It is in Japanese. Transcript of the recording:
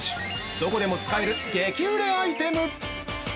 どこでも使える激売れアイテム！」